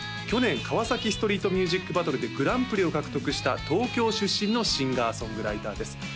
去年「カワサキストリートミュージックバトル」でグランプリを獲得した東京出身のシンガーソングライターです